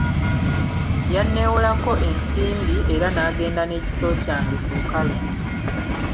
Yanneewolako ensimbi era n'agenda n'ekiso kyange ku lukalu.